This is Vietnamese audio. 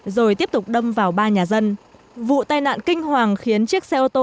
rồi tiếp tục đâm vào ba nhà dân vụ tai nạn kinh hoàng khiến chiếc xe ô tô